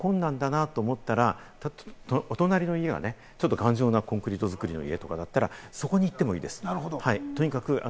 あるいはもうそこに行くことが困難だと思ったらお隣の家がね、ちょっと頑丈なコンクリート造りの家とかだったらそこに行ってもいいです。